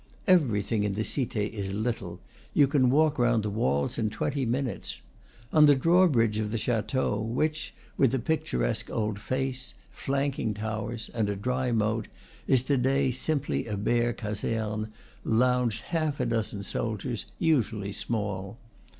Everything in the Cite is little; you can walk round the walls in twenty minutes. On the drawbridge of the chateau, which, with a picturesque old face, flanking towers, and a dry moat, is to day simply a bare caserne, lounged half a dozen soldiers, unusually small.